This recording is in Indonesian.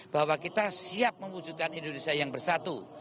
bahwa kita siap mewujudkan indonesia yang bersatu